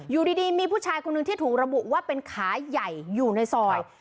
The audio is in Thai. อยู่ดีมีผู้ชายคนหนึ่งที่ถูกระบุว่าเป็นขาใหญ่อยู่ในซอย